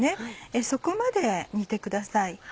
そこまで煮てください。